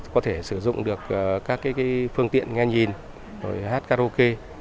có thể sử dụng được các phương tiện nghe nhìn rồi hát karaoke